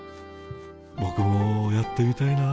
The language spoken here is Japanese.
ボクもやってみたいな。